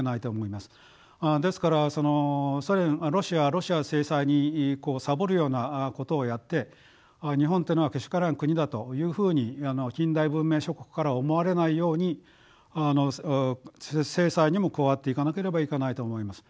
ですからロシア制裁にサボるようなことをやって日本というのはけしからん国だというふうに近代文明諸国から思われないように制裁にも加わっていかなければいけないと思います。